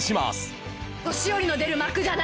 「年寄りの出る幕じゃない！」